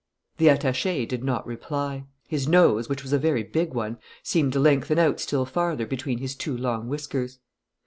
The attaché did not reply. His nose, which was a very big one, seemed to lengthen out still farther between his two long whiskers.